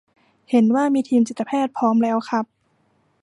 เห็นว่ามีทีมจิตแพทย์พร้อมแล้วครับ